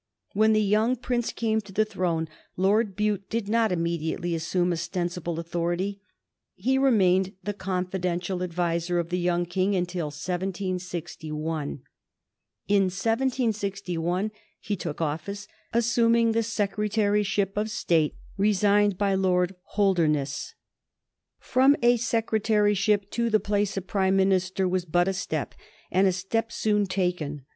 When the young Prince came to the throne Lord Bute did not immediately assume ostensible authority. He remained the confidential adviser of the young King until 1761. In 1761 he took office, assuming the Secretaryship of State resigned by Lord Holdernesse. From a secretaryship to the place of Prime Minister was but a step, and a step soon taken.